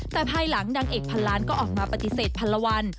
แต่ภายหลังนางเอกพันล้านก็ออกมาปฏิเสธพันละวัน